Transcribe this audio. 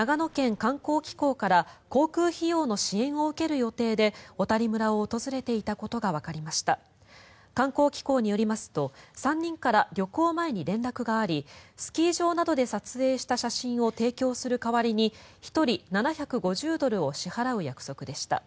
観光機構によりますと３人から旅行前に連絡がありスキー場などで撮影した写真を提供する代わりに１人７５０ドルを支払う約束でした。